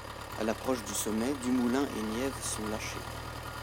A l'approche du sommet, Dumoulin et Nieve sont lâchés.